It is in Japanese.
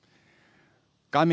画面